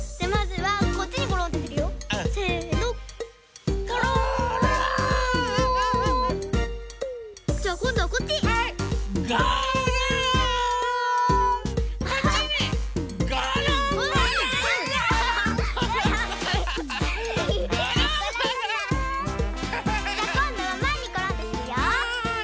はい。